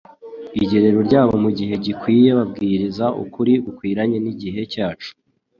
«igerero ryabo mu gihe gikwiye."» Babwiriza ukuri gukwiranye n'igihe cyacu.